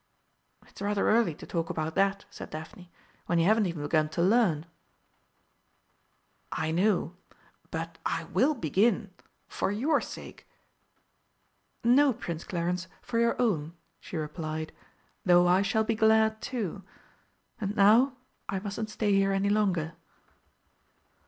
"It's rather early to talk about that," said Daphne, "when you haven't even begun to learn." "I know, but I will begin. For your sake." "No, Prince Clarence, for your own," she replied, "though I shall be glad, too. And now, I mustn't stay here any longer."